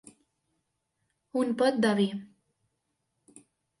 Un pot de vi.